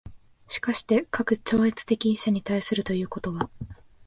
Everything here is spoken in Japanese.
而して、かく超越的一者に対するということは、